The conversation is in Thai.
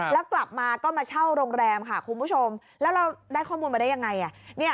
แล้วกลับมาก็มาเช่าโรงแรมค่ะคุณผู้ชมแล้วเราได้ข้อมูลมาได้ยังไง